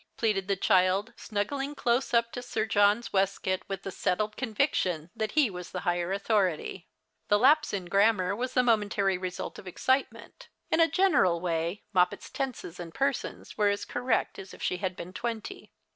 jileaded the child, snuggling close up to Sir John's waistcoat, ^^ith the settled conviction that he was the higher authority. The lapse in grammar was the momentary result of excitement. In a general wav Moppet's tenses and persons were as correct as if she had been twenty.